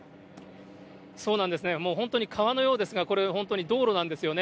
そうなんですね、もう本当に川のようですが、これ、本当に道路なんですよね。